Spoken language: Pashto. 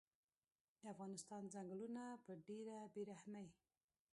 د افغانستان ځنګلونه په ډیره بیرحمۍ